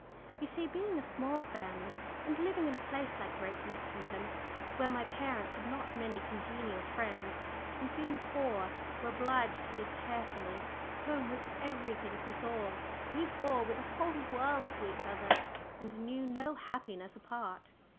You see, being a small family, and living in a place like Great Mexington, where my parents had not many congenial friends, and being poor were obliged to live carefully, home was everything to us all. We four were the whole world to each other, and knew no happiness apart.